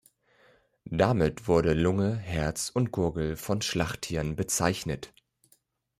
Damit wurde Lunge, Herz und Gurgel von Schlachttieren bezeichnet.